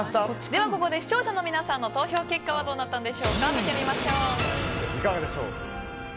ではここで視聴者の皆さんの投票結果はどうなったんでしょうか見てみましょう。